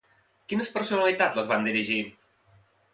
Quines personalitats les van dirigir?